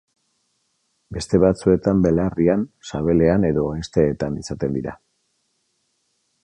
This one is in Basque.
Beste batzuetan belarrian, sabelean edo hesteetan izaten dira.